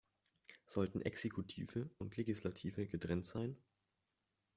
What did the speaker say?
Sollten Exekutive und Legislative getrennt sein?